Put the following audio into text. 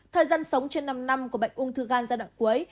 thời gian sống trên năm năm của bệnh ung thư gan giai đoạn cuối